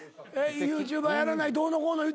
ＹｏｕＴｕｂｅｒやらないどうのこうの言うたよな。